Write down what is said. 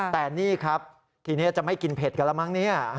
แต่นี่ครับทีนี้จะไม่กินเผ็ดกันแล้วมั้งเนี่ย